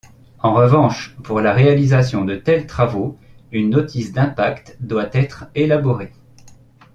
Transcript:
En revanche, pour la réalisation de tels travaux, une notice d'impact doit être élaborée.